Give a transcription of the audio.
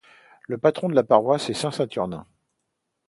Le patron de la paroisse est saint Saturnin.